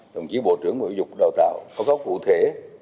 đồng chí bộ trưởng bộ y tục đào tạo có góp cụ thể